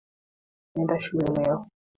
Naenda shule leo.